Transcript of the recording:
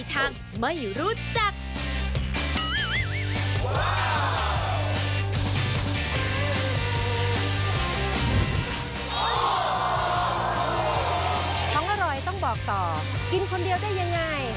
ของอร่อยต้องบอกต่อกินคนเดียวได้ยังไง